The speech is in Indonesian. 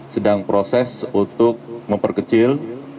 sedang proses untuk memperkecil